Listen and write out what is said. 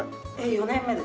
４年目です。